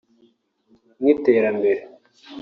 nk’iterambere